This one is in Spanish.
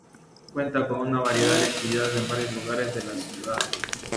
Cuenta con una variedad de actividades en varios lugares de la ciudad.